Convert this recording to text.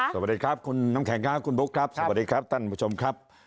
สวัสดีครับคุณน้ำแข็งครับคุณบุ๊คครับสวัสดีครับท่านผู้ชมครับ